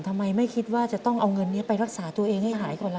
ทำไมไม่คิดว่าจะต้องเอาเงินนี้ไปรักษาตัวเองให้หายก่อนล่ะ